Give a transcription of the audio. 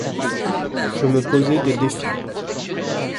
je me posais des défis.